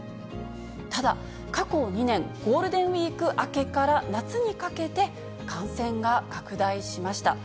ただ、過去２年、ゴールデンウィーク明けから夏にかけて、感染が拡大しました。